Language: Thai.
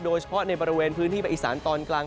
โดยเฉพาะในบริเวณพื้นที่ประอิสานตอนกลาง